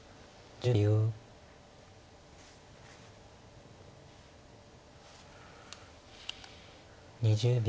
１０秒。